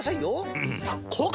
うん！